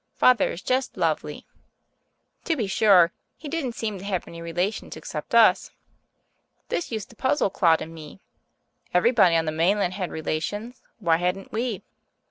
Father is just lovely. To be sure, he didn't seem to have any relations except us. This used to puzzle Claude and me. Everybody on the mainland had relations; why hadn't we?